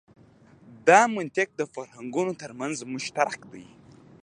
دا منطق د فرهنګونو تر منځ مشترک دی.